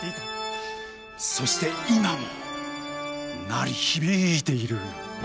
そして今も鳴り響いている。